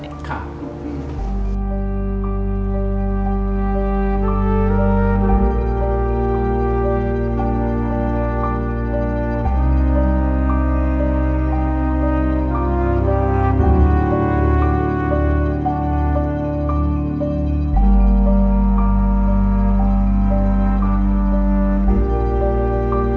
โอเค